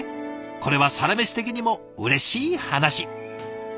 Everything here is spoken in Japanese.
これは「サラメシ」的にもうれしい話。